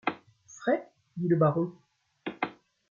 Frai ? dit le baron.